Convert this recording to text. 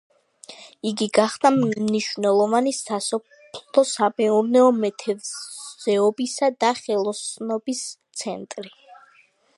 იგი გახდა მნიშვნელოვანი სასოფლო-სამეურნეო, მეთევზეობისა და ხელოსნობის ცენტრი.